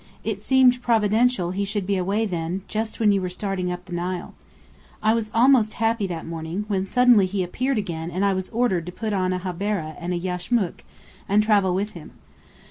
It seemed providential he should be away then, just when you were starting up Nile. I was almost happy that morning, when suddenly he appeared again and I was ordered to put on a habberah and yashmak, and travel with him.